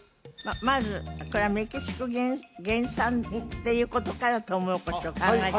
まずこれはメキシコ原産っていうことからとうもろこしを考えた